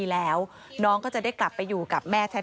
แล้วตอนนี้ศาลให้ประกันตัวออกมาแล้ว